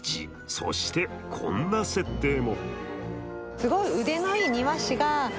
そして、こんな設定も。